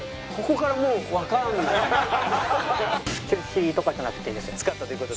ここからもうわからない。